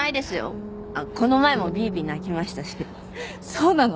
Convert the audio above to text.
そうなの？